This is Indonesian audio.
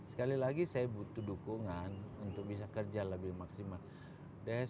sekali lagi saya butuh dukungan untuk bisa kerja lebih maksimal